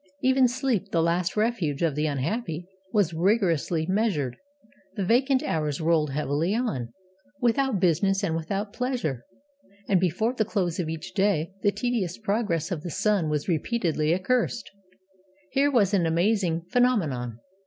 'Even sleep, the last refuge of the unhappy, was rigorously measured; the vacant hours rolled heavily on, without business and without pleasure; and, before the close of each day, the tedious progress of the sun was repeatedly accursed.' Here was an amazing phenomenon.